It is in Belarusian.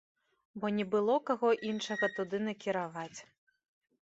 Бо не было каго іншага туды накіраваць.